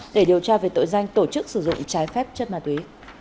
để điều tra về tội danh tổ chức sử dụng trái phép chất ma túy